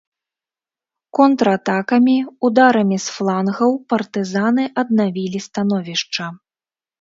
Контратакамі, ударамі з флангаў партызаны аднавілі становішча.